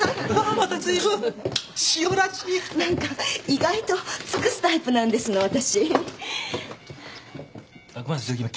意外と尽くすタイプなんです私。